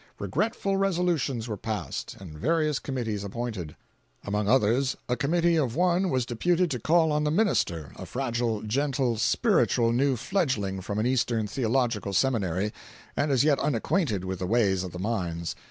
Regretful resolutions were passed and various committees appointed; among others, a committee of one was deputed to call on the minister, a fragile, gentle, spiritual new fledgling from an Eastern theological seminary, and as yet unacquainted with the ways of the mines.